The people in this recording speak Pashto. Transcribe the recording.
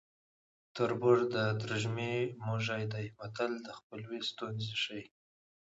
تربور د ترږمې موږی دی متل د خپلوۍ ستونزې ښيي